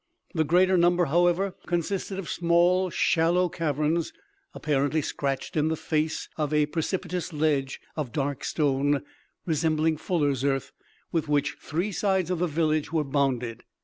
The greater number, however, consisted of small shallow caverns, apparently scratched in the face of a precipitous ledge of dark stone, resembling fuller's earth, with which three sides of the village were bounded.